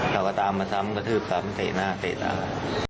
เราก็ตามมาซ้ำกระทืบซ้ำเตะหน้าเตะหน้า